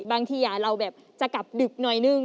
บางทีเราแบบจะกลับดึกหน่อยนึง